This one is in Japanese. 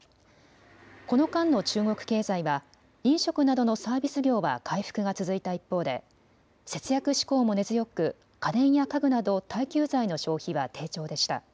この間の中国経済は飲食などのサービス業は回復が続いた一方で節約志向も根強く家電や家具など耐久財の消費は低調でした。